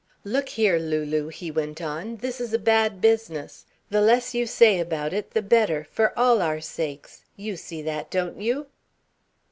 "Look here, Lulu," he went on, "this is a bad business. The less you say about it the better, for all our sakes you see that, don't you?"